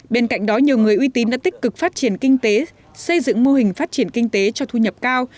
bên cạnh đó nhiều người uy tín đã tích cực phát triển kinh tế xây dựng mô hình phát triển kinh tế cho thu nhập cao